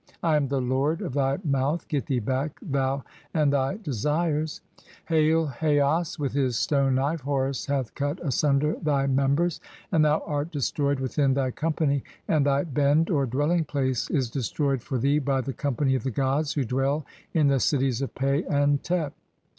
I am the lord "of thy mouth, get thee back (3), thou and thy desires (?) Hail, "Haas, with his stone [knife] Horus hath cut asunder thy members, "and thou art destroyed within thy company, and thy bend (or "dwelling place) is destroyed for thee by the company of thy gods "who dwell in the cities of Pe and (4) Tep.